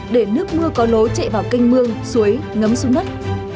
để nước mưa có lối chạy vào kênh mương suối ngấm xuống mất